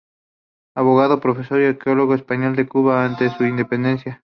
Abogado, profesor y arqueólogo español de Cuba, antes de su independencia.